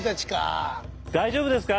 大丈夫ですか？